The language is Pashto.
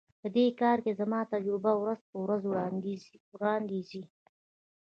په دې کار کې زما تجربه ورځ په ورځ وړاندي ځي.